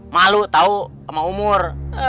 malu tau sama umur